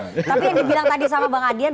tapi yang dibilang tadi sama bang adian